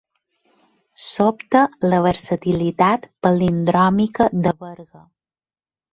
Sobta la versatilitat palindròmica de Berga.